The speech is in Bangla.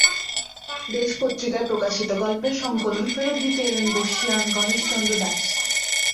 দেশ পত্রিকায় প্রকাশিত গল্পের সংকলন ফেরত দিতে এলেন বর্ষীয়ান গণেশ চন্দ্র দাশ।